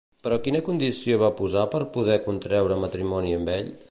Però quina condició va posar per poder contreure matrimoni amb ell?